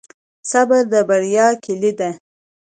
صبر د بریا کیلي ده